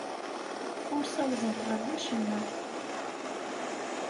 Ur ssawḍent ɣer wacemma.